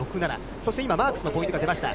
そして今、マークスのポイントが出ました。